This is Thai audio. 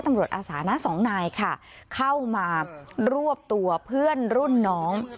อาสานะสองนายค่ะเข้ามารวบตัวเพื่อนรุ่นน้อง